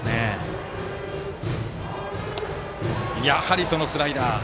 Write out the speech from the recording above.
やはりスライダー。